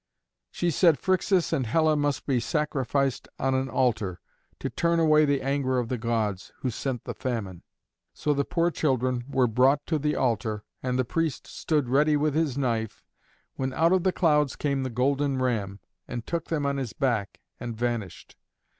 She said Phrixus and Helle must be sacrificed on an altar, to turn away the anger of the gods, who sent the famine. So the poor children were brought to the altar, and the priest stood ready with his knife, when out of the clouds came the Golden Ram, and took them on his back and vanished.